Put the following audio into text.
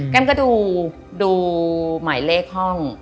แก้มก็ดูหมายเลขห้อง